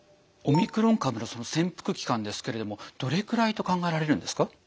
オミクロン株のその潜伏期間ですけれどもどれくらいと考えられるんですか？